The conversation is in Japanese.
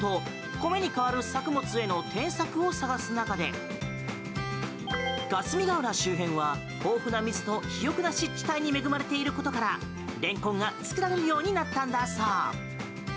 米に変わる作物への転作を探す中で霞ヶ浦周辺は豊富な水と肥よくな湿地帯に恵まれていることからレンコンが作られるようになったんだそう。